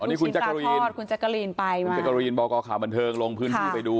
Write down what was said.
อันนี้คุณจักรีนคุณจักรีนบอกก่อข่าวบันเทิงลงพื้นที่ไปดู